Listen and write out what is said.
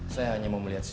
saya hanya mau melihat sisi